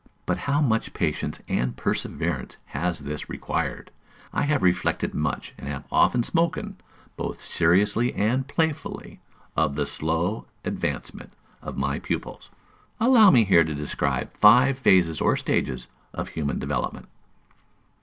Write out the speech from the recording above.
But how much patience and perseverance has this required! I have reflected much and have often spoken, both seriously and playfully, of the slow advancement of my pupils. Allow me here to describe five phases or stages of human development.